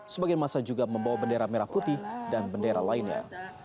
sebagian masa juga membawa bendera merah putih dan bendera lainnya